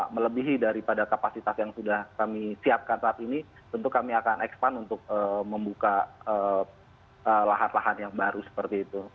melebihi daripada kapasitas yang sudah kami siapkan saat ini tentu kami akan ekspan untuk membuka lahan lahan yang baru seperti itu